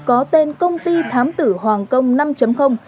có tên công ty thám tử hoàng công năm